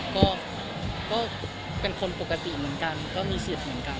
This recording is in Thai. ก็ก็เป็นคนปกติเหมือนกันก็มีศีลเหมือนกัน